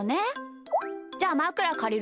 じゃあまくらかりるね。